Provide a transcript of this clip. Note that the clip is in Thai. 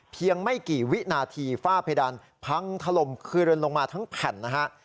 เพียงไม่กี่วินาทีฝ้าเพดานพังถล่มคืนลงมาทั้งแผ่นนะครับ